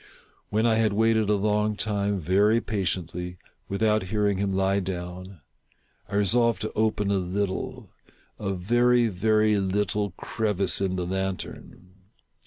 When I had waited a long time, very patiently, without hearing him lie down, I resolved to open a little — a very, very little crevice in the lantern.